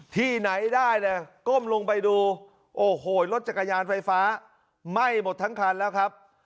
ที่ไหนได้เนี่ยก้มลงไปดูโอ้โหรถจักรยานไฟฟ้าไหม้หมดทั้งคันแล้วครับ